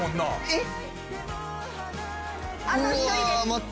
えっ？